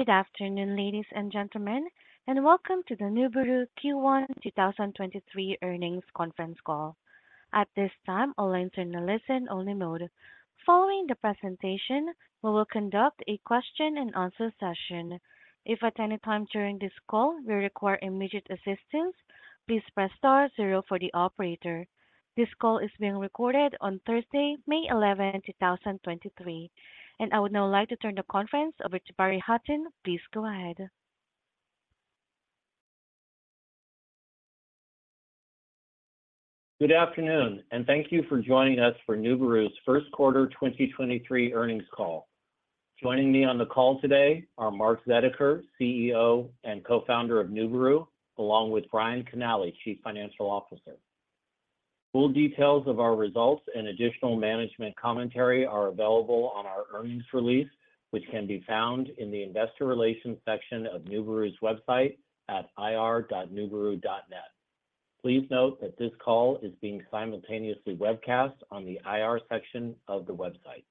Good afternoon, ladies and gentlemen, and welcome to the NUBURU Q1 2023 earnings conference call. At this time, all lines are in a listen-only mode. Following the presentation, we will conduct a question and answer session. If at any time during this call you require immediate assistance, please press star zero for the operator. This call is being recorded on Thursday, May 11th, 2023. I would now like to turn the conference over to Barry Hutton. Please go ahead. Good afternoon, thank you for joining us for NUBURU's first quarter 2023 earnings call. Joining me on the call today are Mark Zediker, CEO and Co-founder of NUBURU, along with Brian Knaley, Chief Financial Officer. Full details of our results and additional management commentary are available on our earnings release, which can be found in the investor relations section of NUBURU's website at ir.nuburu.net. Please note that this call is being simultaneously webcast on the IR section of the website.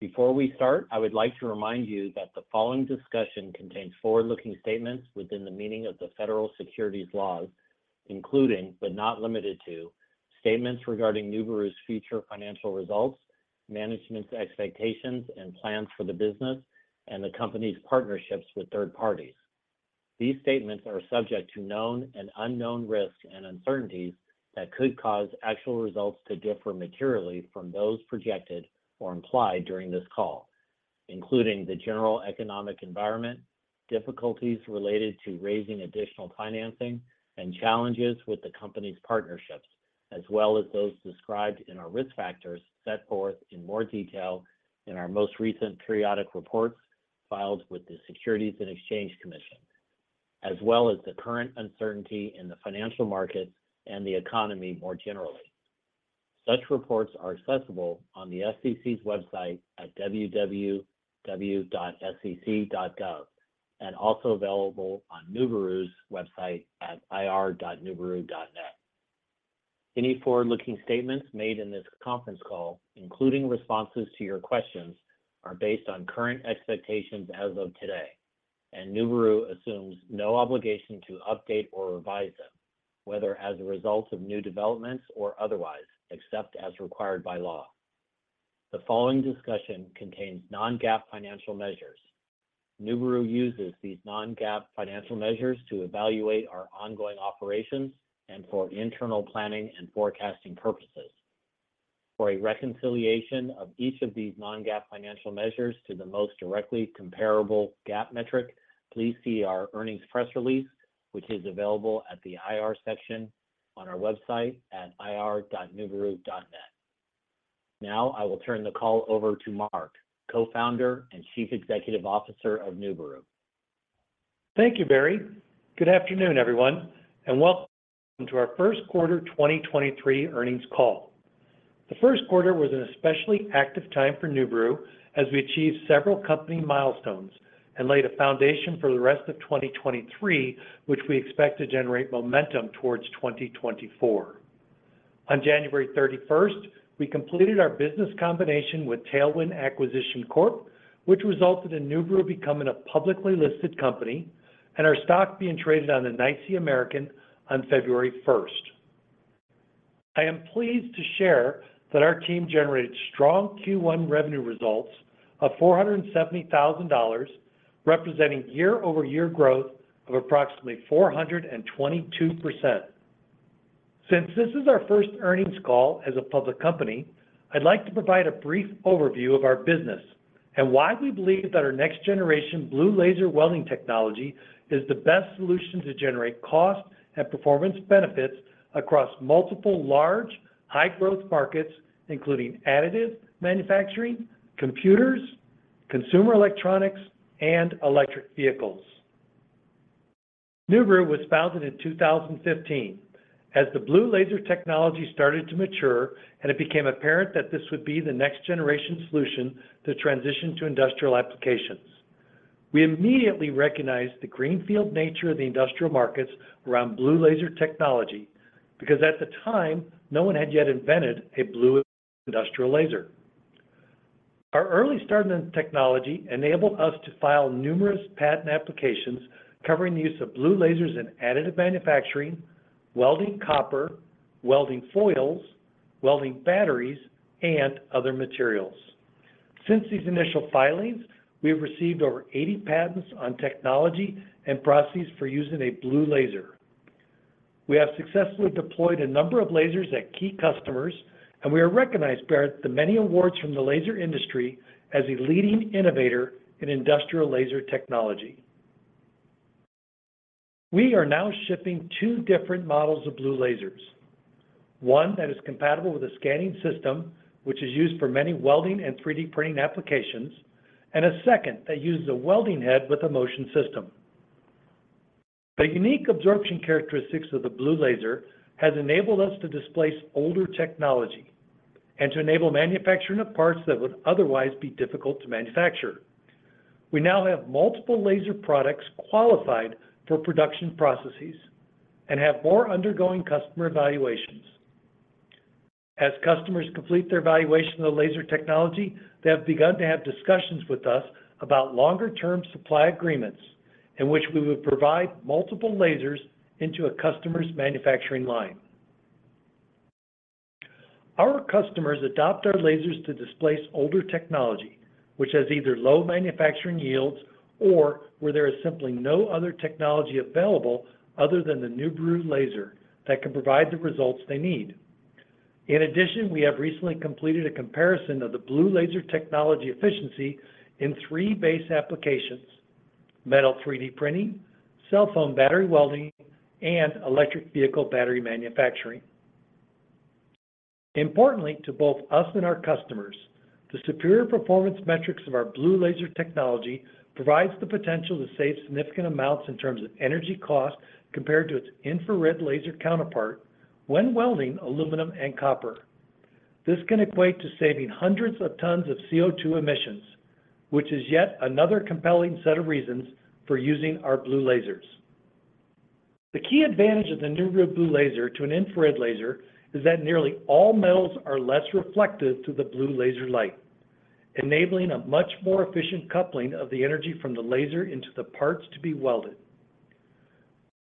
Before we start, I would like to remind you that the following discussion contains forward-looking statements within the meaning of the Federal Securities laws, including, but not limited to, statements regarding NUBURU's future financial results, management's expectations and plans for the business, and the company's partnerships with third parties. These statements are subject to known and unknown risks and uncertainties that could cause actual results to differ materially from those projected or implied during this call, including the general economic environment, difficulties related to raising additional financing, and challenges with the company's partnerships, as well as those described in our risk factors set forth in more detail in our most recent periodic reports filed with the Securities and Exchange Commission, as well as the current uncertainty in the financial markets and the economy more generally. Such reports are accessible on the SEC's website at www.sec.gov and also available on NUBURU's website at ir.nuburu.net. Any forward-looking statements made in this conference call, including responses to your questions, are based on current expectations as of today, and NUBURU assumes no obligation to update or revise them, whether as a result of new developments or otherwise, except as required by law. The following discussion contains non-GAAP financial measures. NUBURU uses these non-GAAP financial measures to evaluate our ongoing operations and for internal planning and forecasting purposes. For a reconciliation of each of these non-GAAP financial measures to the most directly comparable GAAP metric, please see our earnings press release, which is available at the IR section on our website at ir.nuburu.net. I will turn the call over to Mark, Co-founder and Chief Executive Officer of NUBURU. Thank you, Barry. Good afternoon, everyone, and welcome to our first quarter 2023 earnings call. The first quarter was an especially active time for NUBURU as we achieved several company milestones and laid a foundation for the rest of 2023, which we expect to generate momentum towards 2024. On January 31st, we completed our business combination with Tailwind Acquisition Corp, which resulted in NUBURU becoming a publicly listed company and our stock being traded on the NYSE American on February 1st. I am pleased to share that our team generated strong Q1 revenue results of $470,000, representing year-over-year growth of approximately 422%. Since this is our first earnings call as a public company, I'd like to provide a brief overview of our business and why we believe that our next generation blue laser welding technology is the best solution to generate cost and performance benefits across multiple large, high-growth markets, including additive manufacturing, computers, consumer electronics, and electric vehicles. NUBURU was founded in 2015 as the blue laser technology started to mature. It became apparent that this would be the next generation solution to transition to industrial applications. We immediately recognized the greenfield nature of the industrial markets around blue laser technology because at the time, no one had yet invented a blue industrial laser. Our early start in the technology enabled us to file numerous patent applications covering the use of blue lasers in additive manufacturing, welding copper, welding foils, welding batteries, and other materials. Since these initial filings, we have received over 80 patents on technology and processes for using a blue laser. We have successfully deployed a number of lasers at key customers, and we are recognized by the many awards from the laser industry as a leading innovator in industrial laser technology. We are now shipping two different models of blue lasers. One that is compatible with a scanning system, which is used for many welding and 3D printing applications, and a second that uses a welding head with a motion system. The unique absorption characteristics of the blue laser has enabled us to displace older technology and to enable manufacturing of parts that would otherwise be difficult to manufacture. We now have multiple laser products qualified for production processes and have more undergoing customer evaluations. As customers complete their evaluation of the laser technology, they have begun to have discussions with us about longer-term supply agreements in which we would provide multiple lasers into a customer's manufacturing line. Our customers adopt our lasers to displace older technology, which has either low manufacturing yields or where there is simply no other technology available other than the NUBURU laser that can provide the results they need. We have recently completed a comparison of the blue laser technology efficiency in three base applications: metal 3D printing, cell phone battery welding, and electric vehicle battery manufacturing. Importantly to both us and our customers, the superior performance metrics of our blue laser technology provides the potential to save significant amounts in terms of energy cost compared to its infrared laser counterpart when welding aluminum and copper. This can equate to saving hundreds of tons of CO2 emissions, which is yet another compelling set of reasons for using our blue lasers. The key advantage of the new blue laser to an infrared laser is that nearly all metals are less reflective to the blue laser light, enabling a much more efficient coupling of the energy from the laser into the parts to be welded.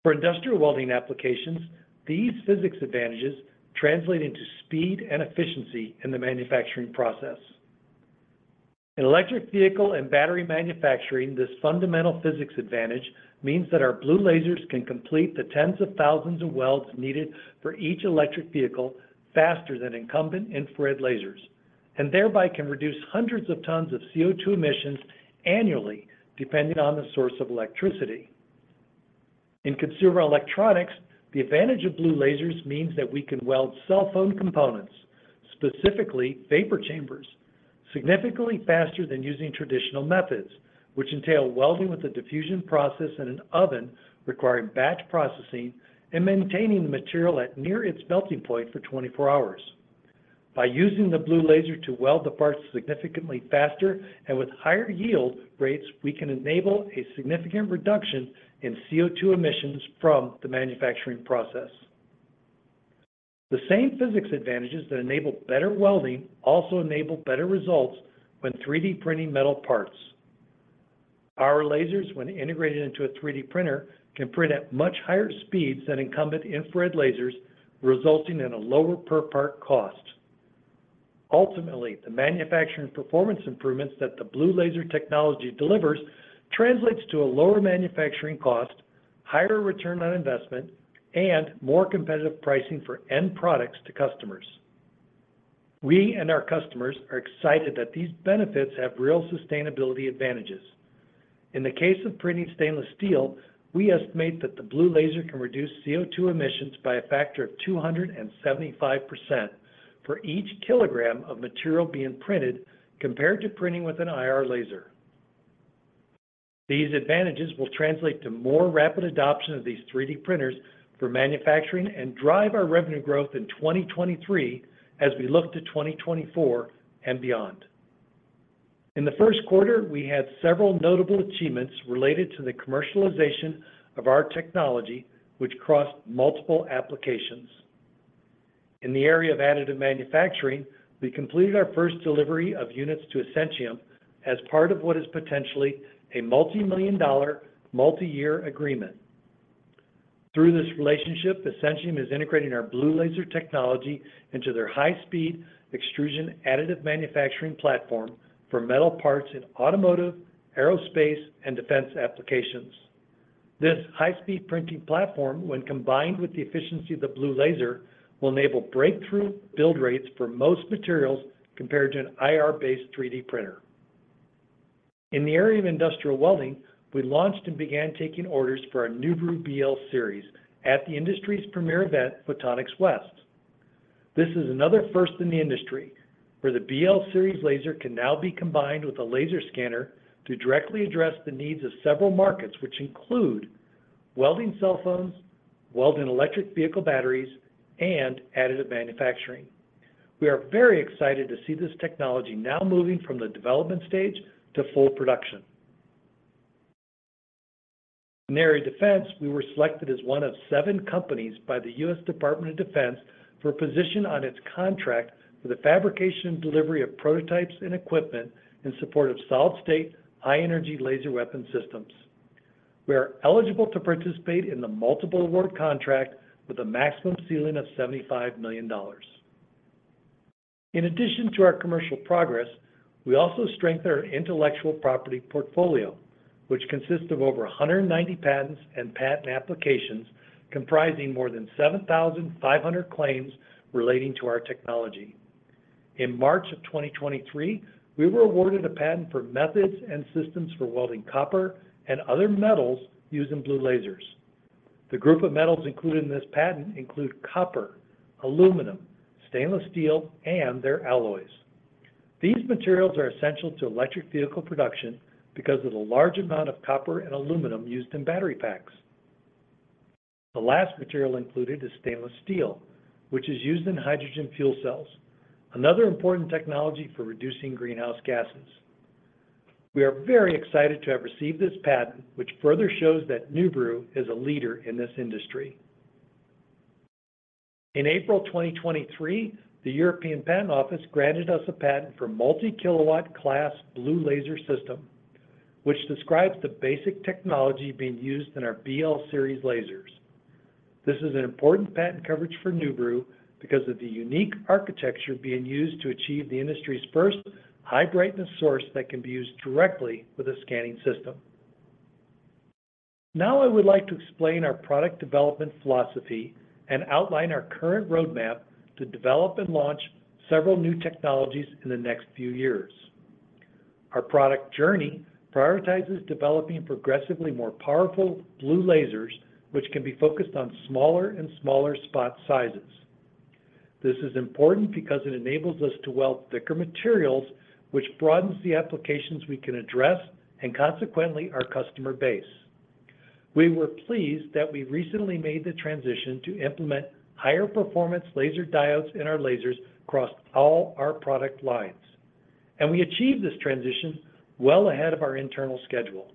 For industrial welding applications, these physics advantages translate into speed and efficiency in the manufacturing process. In electric vehicle and battery manufacturing, this fundamental physics advantage means that our blue lasers can complete the tens of thousands of welds needed for each electric vehicle faster than incumbent infrared lasers, and thereby can reduce hundreds of tons of CO2 emissions annually, depending on the source of electricity. In consumer electronics, the advantage of blue lasers means that we can weld cell phone components, specifically vapor chambers, significantly faster than using traditional methods, which entail welding with a diffusion process in an oven requiring batch processing and maintaining the material at near its melting point for 24 hours. By using the blue laser to weld the parts significantly faster and with higher yield rates, we can enable a significant reduction in CO2 emissions from the manufacturing process. The same physics advantages that enable better welding also enable better results when 3D printing metal parts. Our lasers, when integrated into a 3D printer, can print at much higher speeds than incumbent infrared lasers, resulting in a lower per part cost. Ultimately, the manufacturing performance improvements that the blue laser technology delivers translates to a lower manufacturing cost, higher return on investment, and more competitive pricing for end products to customers. We and our customers are excited that these benefits have real sustainability advantages. In the case of printing stainless steel, we estimate that the blue laser can reduce CO2 emissions by a factor of 275% for each kilogram of material being printed compared to printing with an IR laser. These advantages will translate to more rapid adoption of these 3D printers for manufacturing and drive our revenue growth in 2023 as we look to 2024 and beyond. In the first quarter, we had several notable achievements related to the commercialization of our technology, which crossed multiple applications. In the area of additive manufacturing, we completed our first delivery of units to Essentium as part of what is potentially a multimillion-dollar, multi-year agreement. Through this relationship, Essentium is integrating our blue laser technology into their high-speed extrusion additive manufacturing platform for metal parts in automotive, aerospace, and defense applications. This high-speed printing platform, when combined with the efficiency of the blue laser, will enable breakthrough build rates for most materials compared to an IR-based 3D printer. In the area of industrial welding, we launched and began taking orders for our new NUBURU BL series at the industry's premier event, Photonics West. This is another first in the industry, where the BL series laser can now be combined with a laser scanner to directly address the needs of several markets, which include welding cell phones, welding electric vehicle batteries, and additive manufacturing. We are very excited to see this technology now moving from the development stage to full production. In the area of defense, we were selected as one of seven companies by the U.S. Department of Defense for a position on its contract for the fabrication and delivery of prototypes and equipment in support of solid-state, high-energy laser weapon systems. We are eligible to participate in the multiple award contract with a maximum ceiling of $75 million. In addition to our commercial progress, we also strengthen our intellectual property portfolio, which consists of over 190 patents and patent applications comprising more than 7,500 claims relating to our technology. In March of 2023, we were awarded a patent for methods and systems for welding copper and other metals using blue lasers. The group of metals included in this patent include copper, aluminum, stainless steel, and their alloys. These materials are essential to electric vehicle production because of the large amount of copper and aluminum used in battery packs. The last material included is stainless steel, which is used in hydrogen fuel cells, another important technology for reducing greenhouse gases. We are very excited to have received this patent, which further shows that NUBURU is a leader in this industry. In April 2023, the European Patent Office granted us a patent for multi-kilowatt class blue laser system, which describes the basic technology being used in our BL series lasers. This is an important patent coverage for NUBURU because of the unique architecture being used to achieve the industry's first high brightness source that can be used directly with a scanning system. I would like to explain our product development philosophy and outline our current roadmap to develop and launch several new technologies in the next few years. Our product journey prioritizes developing progressively more powerful blue lasers which can be focused on smaller and smaller spot sizes. This is important because it enables us to weld thicker materials, which broadens the applications we can address and consequently our customer base. We were pleased that we recently made the transition to implement higher performance laser diodes in our lasers across all our product lines. We achieved this transition well ahead of our internal schedule.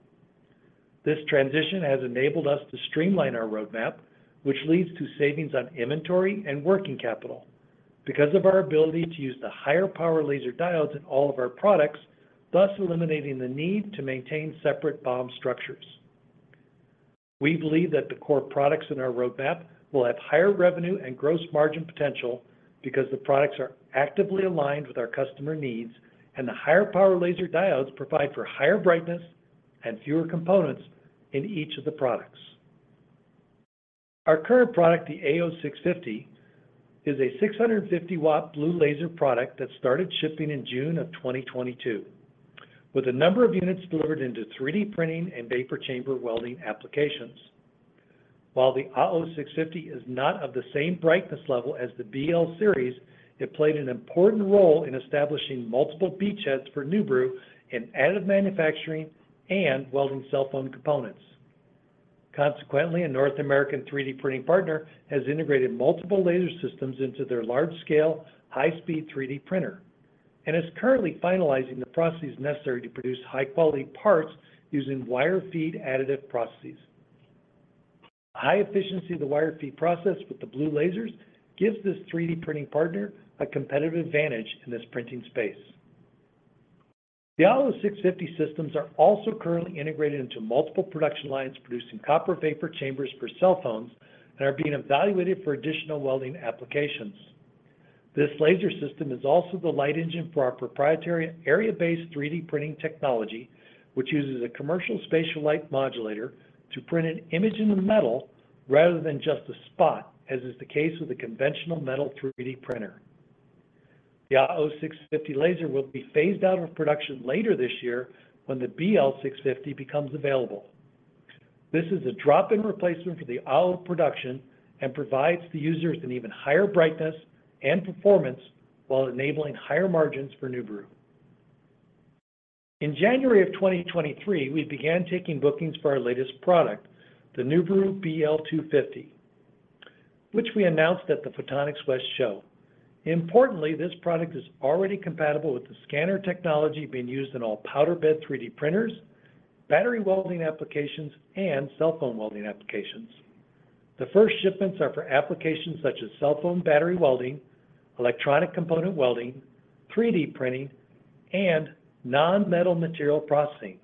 This transition has enabled us to streamline our roadmap, which leads to savings on inventory and working capital because of our ability to use the higher power laser diodes in all of our products, thus eliminating the need to maintain separate BOM structures. We believe that the core products in our roadmap will have higher revenue and gross margin potential because the products are actively aligned with our customer needs and the higher power laser diodes provide for higher brightness and fewer components in each of the products. Our current product, the AO-650, is a 650 W blue laser product that started shipping in June of 2022, with a number of units delivered into 3D printing and vapor chamber welding applications. While the AO-650 is not of the same brightness level as the BL series, it played an important role in establishing multiple beachheads for NUBURU in additive manufacturing and welding cell phone components. Consequently, a North American 3D printing partner has integrated multiple laser systems into their large-scale, high-speed 3D printer and is currently finalizing the processes necessary to produce high-quality parts using wire feed additive processes. The high efficiency of the wire feed process with the blue lasers gives this 3D printing partner a competitive advantage in this printing space. The AO-650 systems are also currently integrated into multiple production lines producing copper vapor chambers for cell phones and are being evaluated for additional welding applications. This laser system is also the light engine for our proprietary area-based 3D printing technology, which uses a commercial spatial light modulator to print an image into the metal rather than just a spot, as is the case with a conventional metal 3D printer. The AO-650 laser will be phased out of production later this year when the BL-650 becomes available. This is a drop-in replacement for the AO production and provides the users an even higher brightness and performance while enabling higher margins for NUBURU. In January of 2023, we began taking bookings for our latest product, the NUBURU BL-250, which we announced at the Photonics West show. Importantly, this product is already compatible with the scanner technology being used in all powder bed 3D printers, battery welding applications, and cell phone welding applications. The first shipments are for applications such as cell phone battery welding, electronic component welding, 3D printing, and non-metal material processing.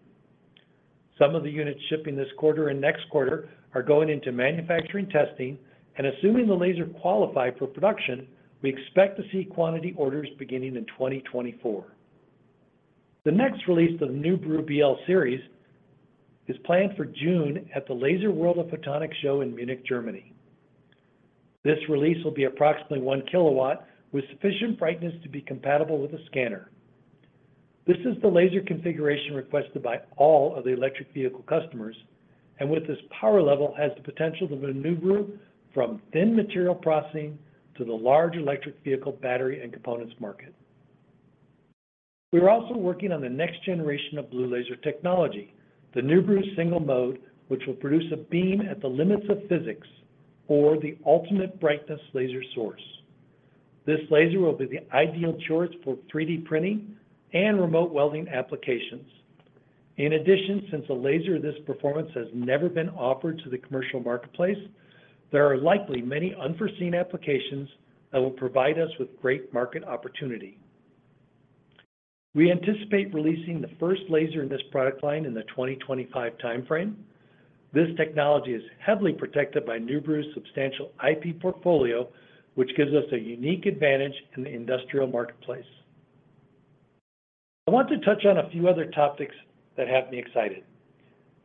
Some of the units shipping this quarter and next quarter are going into manufacturing testing, and assuming the laser qualified for production, we expect to see quantity orders beginning in 2024. The next release of the NUBURU BL series is planned for June at the LASER World of PHOTONICS show in Munich, Germany. This release will be approximately 1 kW with sufficient brightness to be compatible with a scanner. This is the laser configuration requested by all of the electric vehicle customers, with this power level, has the potential to maneuver from thin material processing to the large electric vehicle battery and components market. We are also working on the next generation of blue laser technology, the NUBURU single-mode, which will produce a beam at the limits of physics for the ultimate brightness laser source. This laser will be the ideal choice for 3D printing and remote welding applications. In addition, since a laser of this performance has never been offered to the commercial marketplace, there are likely many unforeseen applications that will provide us with great market opportunity. We anticipate releasing the first laser in this product line in the 2025 time frame. This technology is heavily protected by NUBURU's substantial IP portfolio, which gives us a unique advantage in the industrial marketplace. I want to touch on a few other topics that have me excited.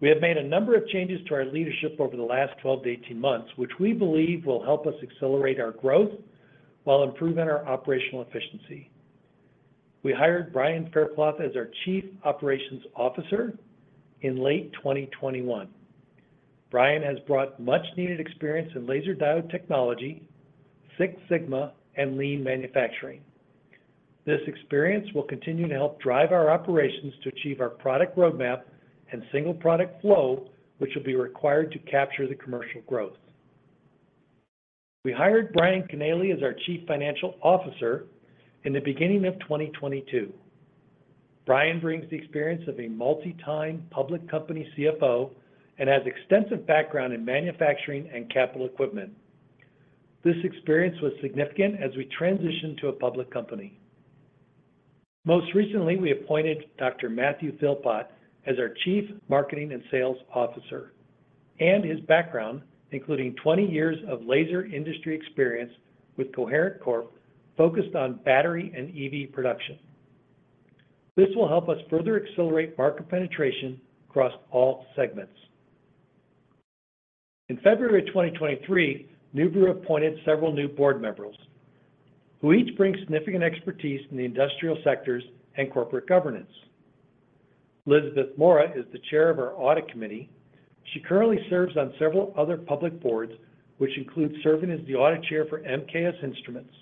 We have made a number of changes to our leadership over the last 12 to 18 months, which we believe will help us accelerate our growth while improving our operational efficiency. We hired Brian Faircloth as our Chief Operations Officer in late 2021. Brian has brought much-needed experience in laser diode technology, Six Sigma, and Lean Manufacturing. This experience will continue to help drive our operations to achieve our product roadmap and single product flow, which will be required to capture the commercial growth. We hired Brian Knaley as our Chief Financial Officer in the beginning of 2022. Brian brings the experience of a multi-time public company CFO and has extensive background in manufacturing and capital equipment. This experience was significant as we transitioned to a public company. Most recently, we appointed Dr. Matthew Philpott as our Chief Marketing and Sales Officer, His background, including 20 years of laser industry experience with Coherent Corp, focused on battery and EV production. This will help us further accelerate market penetration across all segments. In February 2023, NUBURU appointed several new board members who each bring significant expertise in the industrial sectors and corporate governance. Elizabeth Mora is the Chair of our Audit Committee. She currently serves on several other public boards, which includes serving as the Audit Chair for MKS Instruments.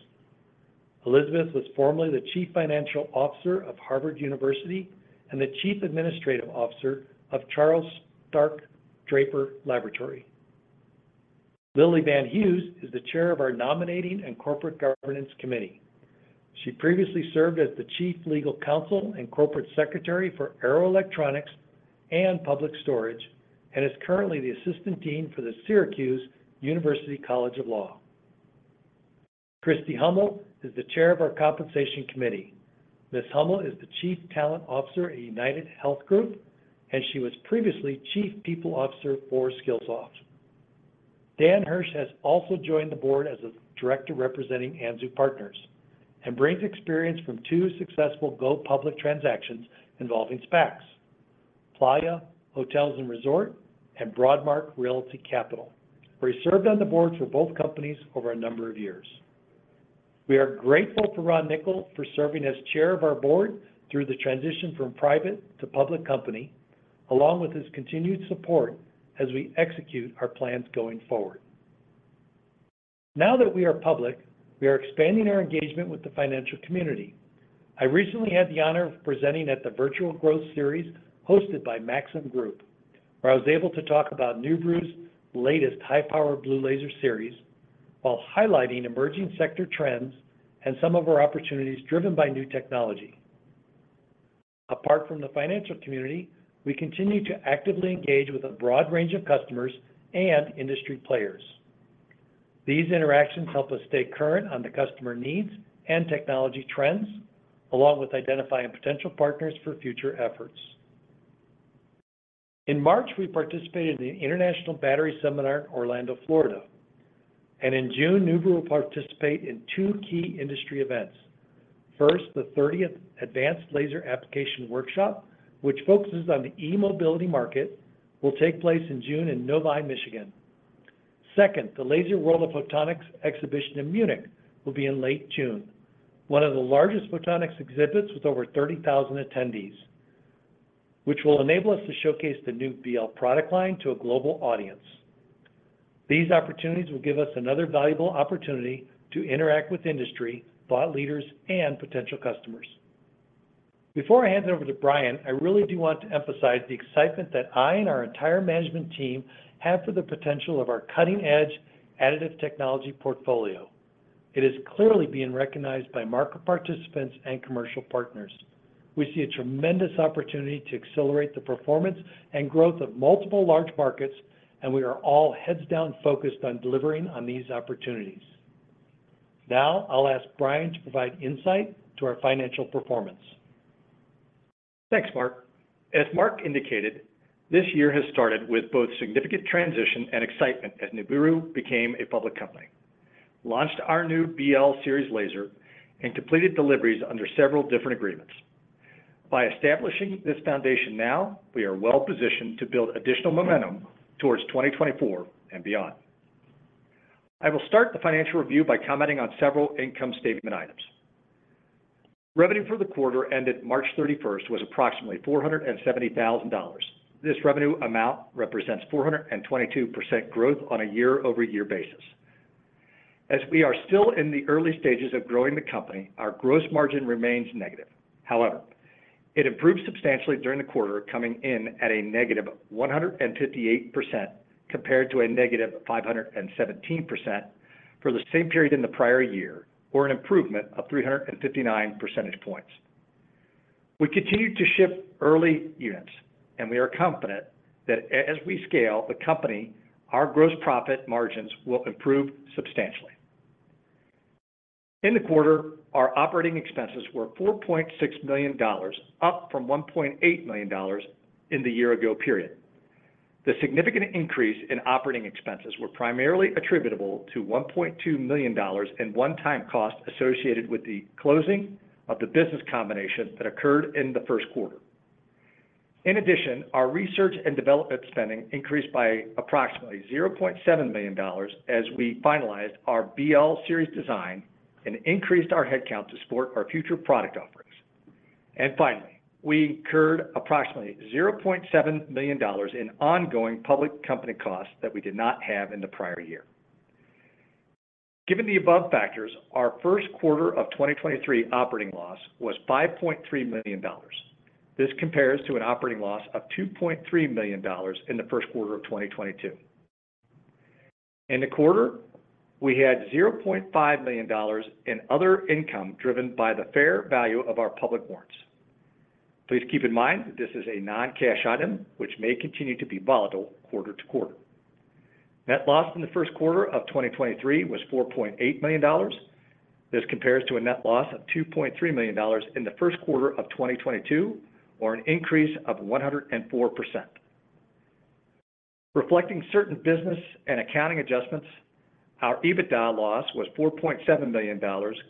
Elizabeth was formerly the Chief Financial Officer of Harvard University and the Chief Administrative Officer of The Charles Stark Draper Laboratory, Inc. Lily Yan Hughes is the Chair of our Nominating and Corporate Governance Committee. She previously served as the Chief Legal Counsel and Corporate Secretary for Arrow Electronics and Public Storage, and is currently the Assistant Dean for the Syracuse University College of Law. Kristi Hummel is the chair of our compensation committee. Miss Hummel is the Chief Talent Officer at UnitedHealth Group, and she was previously Chief People Officer for Skillsoft. Dan Hirsch has also joined the board as a director representing Anzu Partners and brings experience from two successful go public transactions involving SPACs, Playa Hotels & Resorts, and Broadmark Realty Capital, where he served on the boards for both companies over a number of years. We are grateful for Ron Nicol for serving as chair of our board through the transition from private to public company, along with his continued support as we execute our plans going forward. Now that we are public, we are expanding our engagement with the financial community. I recently had the honor of presenting at the Virtual Growth Series hosted by Maxim Group, where I was able to talk about NUBURU's latest high-power blue laser series while highlighting emerging sector trends and some of our opportunities driven by new technology. Apart from the financial community, we continue to actively engage with a broad range of customers and industry players. These interactions help us stay current on the customer needs and technology trends, along with identifying potential partners for future efforts. In March, we participated in the International Battery Seminar in Orlando, Florida. In June, NUBURU will participate in two key industry events. First, the 30th Advanced Laser Application Workshop, which focuses on the e-mobility market, will take place in June in Novi, Michigan. Second, the LASER World of PHOTONICS exhibition in Munich will be in late June, one of the largest photonics exhibits with over 30,000 attendees, which will enable us to showcase the new BL product line to a global audience. These opportunities will give us another valuable opportunity to interact with industry, thought leaders, and potential customers. Before I hand it over to Brian, I really do want to emphasize the excitement that I and our entire management team have for the potential of our cutting-edge additive technology portfolio. It is clearly being recognized by market participants and commercial partners. We see a tremendous opportunity to accelerate the performance and growth of multiple large markets, and we are all heads-down focused on delivering on these opportunities. Now, I'll ask Brian to provide insight to our financial performance. Thanks, Mark. As Mark indicated, this year has started with both significant transition and excitement as NUBURU became a public company, launched our new BL series laser, and completed deliveries under several different agreements. By establishing this foundation now, we are well-positioned to build additional momentum towards 2024 and beyond. I will start the financial review by commenting on several income statement items. Revenue for the quarter ended March 31st was approximately $470,000. This revenue amount represents 422% growth on a year-over-year basis. As we are still in the early stages of growing the company, our gross margin remains negative. It improved substantially during the quarter, coming in at a negative 158% compared to a negative 517% for the same period in the prior year, or an improvement of 359 percentage points. We continue to ship early units, and we are confident that as we scale the company, our gross profit margins will improve substantially. In the quarter, our operating expenses were $4.6 million, up from $1.8 million in the year ago period. The significant increase in operating expenses were primarily attributable to $1.2 million in one-time costs associated with the closing of the business combination that occurred in the first quarter. In addition, our research and development spending increased by approximately $0.7 million as we finalized our BL series design and increased our headcount to support our future product offerings. Finally, we incurred approximately $0.7 million in ongoing public company costs that we did not have in the prior year. Given the above factors, our first quarter of 2023 operating loss was $5.3 million. This compares to an operating loss of $2.3 million in the first quarter of 2022. In the quarter, we had $0.5 million in other income driven by the fair value of our public warrants. Please keep in mind that this is a non-cash item which may continue to be volatile quarter-to-quarter. Net loss in the first quarter of 2023 was $4.8 million. This compares to a net loss of $2.3 million in the first quarter of 2022, or an increase of 104%. Reflecting certain business and accounting adjustments, our EBITDA loss was $4.7 million,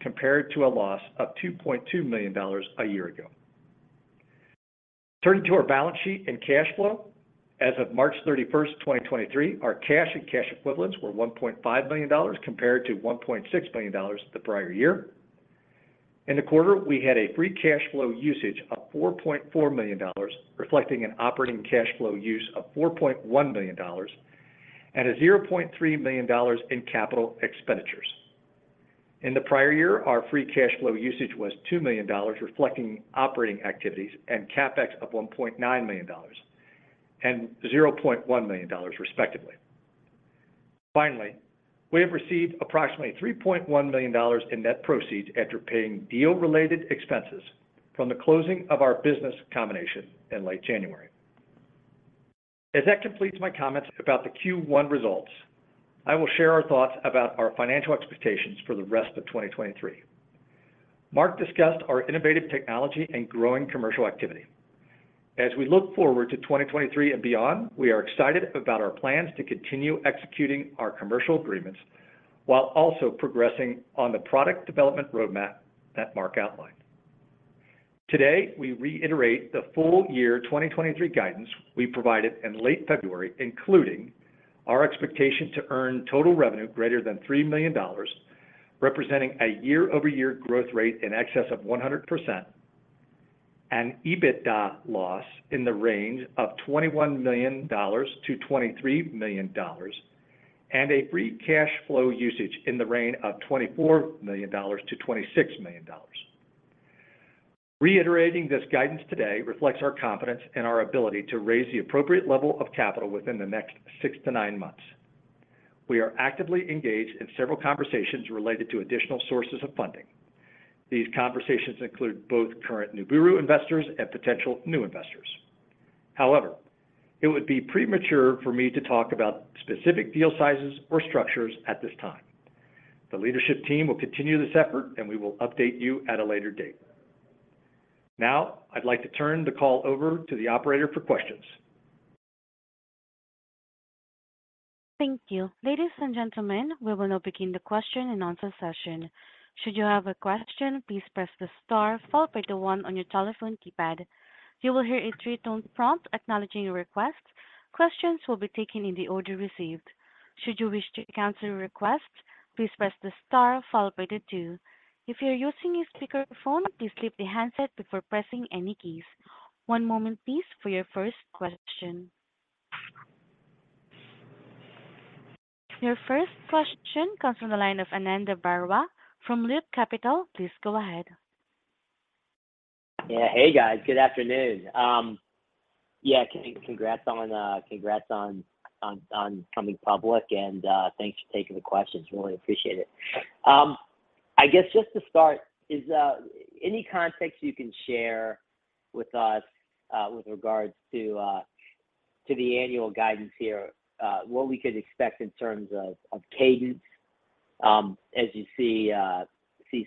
compared to a loss of $2.2 million a year ago. Turning to our balance sheet and cash flow. As of March 31st, 2023, our cash and cash equivalents were $1.5 million compared to $1.6 million the prior year. In the quarter, we had a free cash flow usage of $4.4 million, reflecting an operating cash flow use of $4.1 million and a $0.3 million in capital expenditures. In the prior year, our free cash flow usage was $2 million, reflecting operating activities and CapEx of $1.9 million and $0.1 million, respectively. Finally, we have received approximately $3.1 million in net proceeds after paying deal-related expenses from the closing of our business combination in late January. As that completes my comments about the Q1 results, I will share our thoughts about our financial expectations for the rest of 2023. Mark discussed our innovative technology and growing commercial activity. As we look forward to 2023 and beyond, we are excited about our plans to continue executing our commercial agreements while also progressing on the product development roadmap that Mark outlined. Today, we reiterate the full year 2023 guidance we provided in late February, including our expectation to earn total revenue greater than $3 million, representing a year-over-year growth rate in excess of 100%, an EBITDA loss in the range of $21 million-$23 million, and a free cash flow usage in the range of $24 million-$26 million. Reiterating this guidance today reflects our confidence in our ability to raise the appropriate level of capital within the next six to nine months. We are actively engaged in several conversations related to additional sources of funding. These conversations include both current NUBURU investors and potential new investors. However, it would be premature for me to talk about specific deal sizes or structures at this time. The leadership team will continue this effort, and we will update you at a later date. I'd like to turn the call over to the operator for questions. Thank you. Ladies and gentlemen, we will now begin the question and answer session. Should you have a question, please press the star followed by the one on your telephone keypad. You will hear a three-tone prompt acknowledging your request. Questions will be taken in the order received. Should you wish to cancel your request, please press the star followed by the two. If you're using a speakerphone, please leave the handset before pressing any keys. One moment please for your first question. Your first question comes from the line of Ananda Baruah from Loop Capital. Please go ahead. Hey, guys. Good afternoon. Congrats on becoming public and thanks for taking the questions. Really appreciate it. I guess just to start is any context you can share with us with regards to the annual guidance here, what we could expect in terms of cadence as you see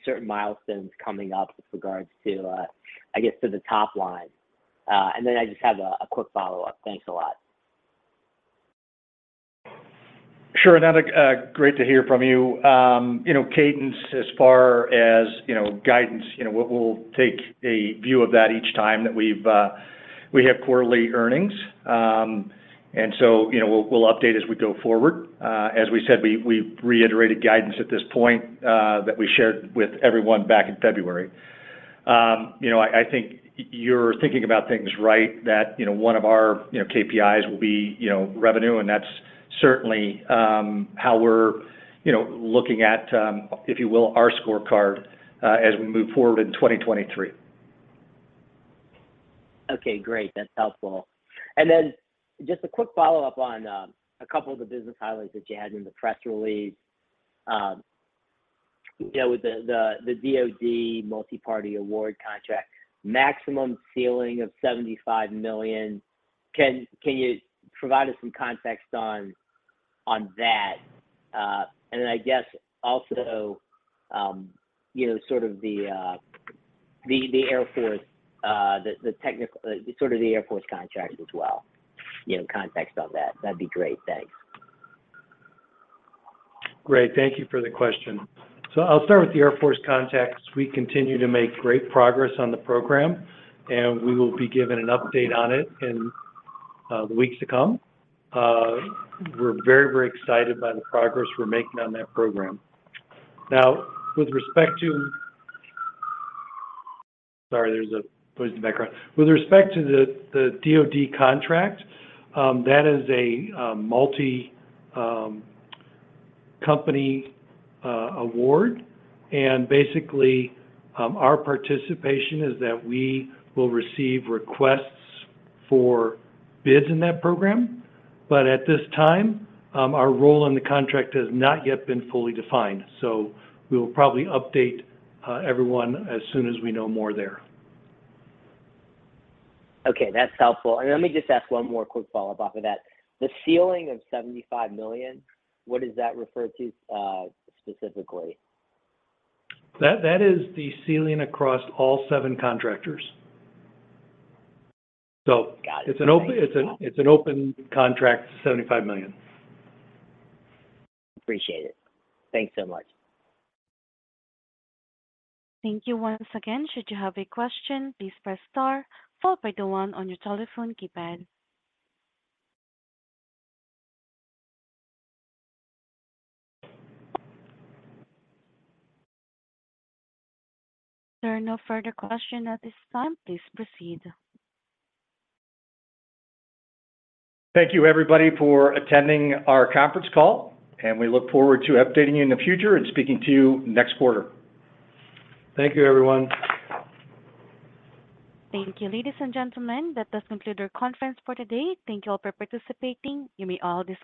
certain milestones coming up with regards to, I guess, to the top line. I just have a quick follow-up. Thanks a lot. Sure. Ananda, great to hear from you. You know, cadence as far as, you know, guidance, you know, we'll take a view of that each time that we've, we have quarterly earnings. You know, we'll update as we go forward. As we said, we've reiterated guidance at this point that we shared with everyone back in February. You know, I think you're thinking about things right that, you know, one of our, you know, KPIs will be, you know, revenue, and that's certainly how we're, you know, looking at, if you will, our scorecard, as we move forward in 2023. Okay, great. That's helpful. Just a quick follow-up on a couple of the business highlights that you had in the press release. You know, with the DoD multi-party award contract, maximum ceiling of $75 million. Can you provide us some context on that? I guess also, you know, sort of the Air Force contract as well, you know, context on that? That'd be great. Thanks. Great. Thank you for the question. I'll start with the Air Force contracts. We continue to make great progress on the program, and we will be giving an update on it in the weeks to come. We're very excited by the progress we're making on that program. With respect to... Sorry, there's a noise in the background. With respect to the DoD contract, that is a multi company award, and basically, our participation is that we will receive requests for bids in that program. At this time, our role in the contract has not yet been fully defined, so we will probably update everyone as soon as we know more there. Okay, that's helpful. Let me just ask one more quick follow-up off of that. The ceiling of $75 million, what does that refer to, specifically? That is the ceiling across all seven contractors. Got it. It's an open contract, $75 million. Appreciate it. Thanks so much. Thank you once again. Should you have a question, please press star followed by the one on your telephone keypad. There are no further question at this time. Please proceed. Thank you, everybody, for attending our conference call, and we look forward to updating you in the future and speaking to you next quarter. Thank you, everyone. Thank you. Ladies and gentlemen, that does conclude our conference for today. Thank you all for participating. You may all disconnect.